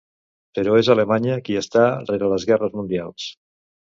Però és Alemanya qui estar rere les guerres mundials.